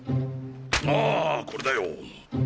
ああこれだよ。